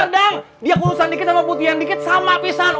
kadang dia urusan dikit sama putih yang dikit sama pisang